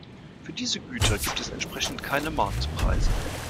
Für diese Güter gibt es entsprechend keine Marktpreise.